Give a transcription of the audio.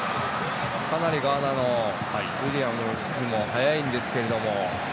かなりガーナのウィリアムズも速いんですけれども。